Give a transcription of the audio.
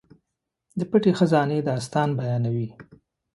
د پټې خزانې داستان بیانوي.